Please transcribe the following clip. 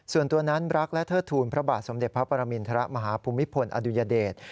ส่วนตัวนั้นรักและเทิดทูลพระบาทสมเด็จพระปรมินทรมาฮภูมิพลอดุญเดช